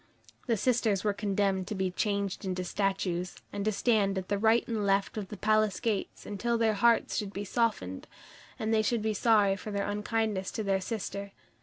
The sisters were condemned to be changed into statues, and to stand at the right and left of the palace gates until their hearts should be softened, and they should be sorry for their unkindness to their sister.